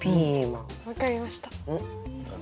分かりました。